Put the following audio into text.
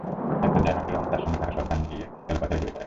একপর্যায়ে হামিদুর রহমান তাঁর সঙ্গে থাকা শটগান দিয়ে এলোপাতাড়ি গুলি করেন।